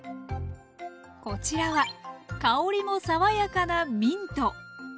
こちらは香りも爽やかなミント。